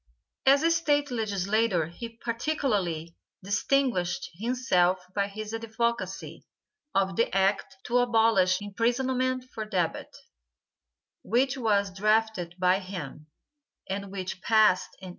As a State legislator he particularly distinguished himself by his advocacy of the act to abolish imprisonment for debt, which was drafted by him, and which passed in 1831.